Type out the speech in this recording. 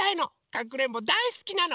かくれんぼだいすきなの！